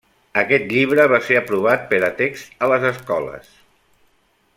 Aquest llibre va ser aprovat per a text a les escoles.